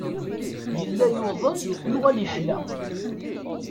Yella yuḍen, yuɣal yeḥla.